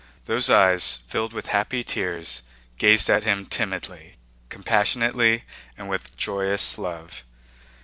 Those eyes, filled with happy tears, gazed at him timidly, compassionately, and with joyous love.